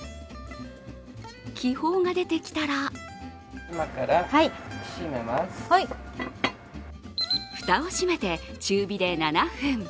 気泡が出てきたら蓋を閉めて中火で７分。